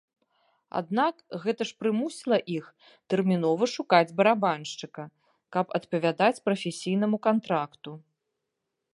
Аднак гэта ж прымусіла іх тэрмінова шукаць барабаншчыка, каб адпавядаць прафесійнаму кантракту.